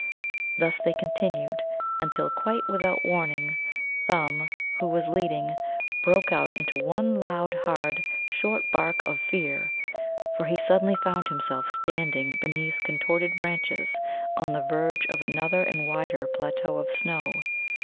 Thus they continued, until, quite without warning, Thumb, who was leading, broke out into one loud, hard, short bark of fear, for he suddenly found himself standing beneath contorted branches on the verge of another and wider plateau of snow.